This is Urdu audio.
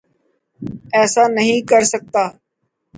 ایسا نہیں کرسکتا